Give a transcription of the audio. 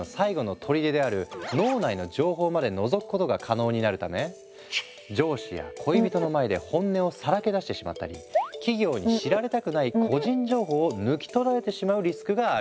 ＢＭＩによって上司や恋人の前で本音をさらけ出してしまったり企業に知られたくない個人情報を抜き取られてしまうリスクがあるんだ。